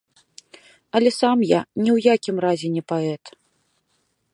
Але сам я ні ў якім разе не паэт.